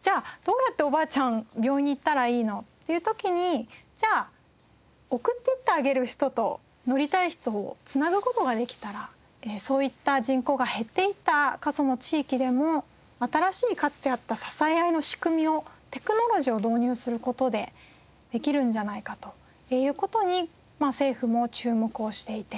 じゃあどうやっておばあちゃん病院に行ったらいいの？っていう時にじゃあ送っていってあげる人と乗りたい人を繋ぐ事ができたらそういった人口が減っていった過疎の地域でも新しいかつてあった支え合いの仕組みをテクノロジーを導入する事でできるんじゃないかという事に政府も注目をしていて。